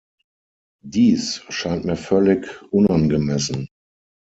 Dies scheint mir völlig unangemessen.